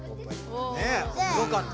ねえすごかった。